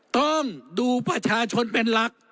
ต้องดูประชาชนเป็นหลัก